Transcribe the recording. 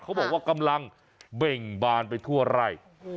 เขาบอกว่ากำลังเบ่งบานไปทั่วไร่